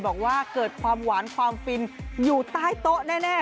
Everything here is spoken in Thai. บอกว่าเกิดความหวานความฟินอยู่ใต้โต๊ะแน่